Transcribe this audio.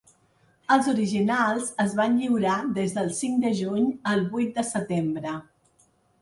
Els originals es van lliurar des del cinc de juny al vuit de setembre.